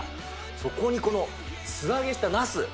そこにこの素揚げしたナス。